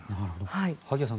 萩谷さん